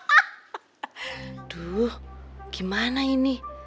aduh gimana ini